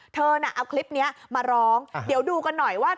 เธอน่ะเอาคลิปนี้มาร้องเดี๋ยวดูกันหน่อยว่า